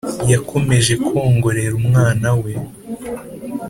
yakomeje kwongorera umwana we.